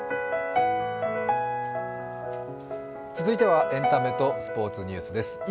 続いてはエンタメとスポーツニュースです。